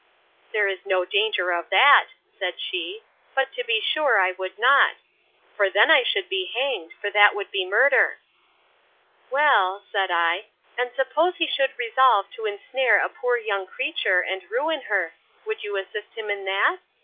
There's no danger of that, said she; but to be sure I would not; for then I should be hanged! for that would be murder. Well, said I, and suppose he should resolve to ensnare a poor young creature, and ruin her, would you assist him in that?